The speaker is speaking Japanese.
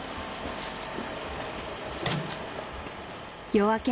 夜明け